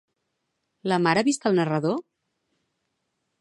La mare ha vist al narrador?